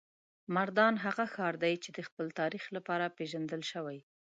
مردان هغه ښار دی چې د خپل تاریخ لپاره پیژندل شوی.